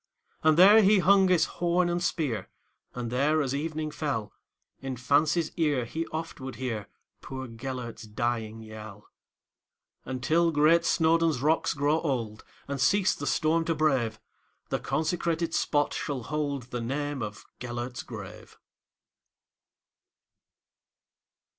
And there he hung his horn and spear, And there, as evening fell, In fancy's ear he oft would hearPoor Gêlert's dying yell. And, till great Snowdon's rocks grow old, And cease the storm to brave, The consecrated spot shall holdThe name of "Gêlert's Grave."